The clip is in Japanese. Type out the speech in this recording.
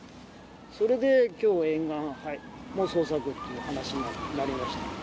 それできょう、沿岸の捜索という話になりました。